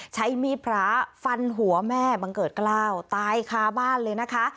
ใช้มีดพระฟันหัวแม่บังเกิดกล้าวตายคาบ้านเลยนะคะ